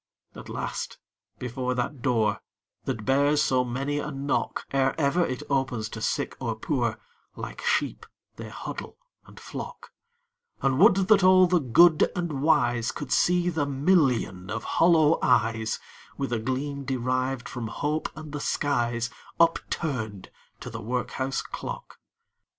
At last, before that door That bears so many a knock Ere ever it opens to Sick or Poor, Like sheep they huddle and flock And would that all the Good and Wise Could see the Million of hollow eyes, With a gleam deriv'd from Hope and the skies, Upturn'd to the Workhouse Clock!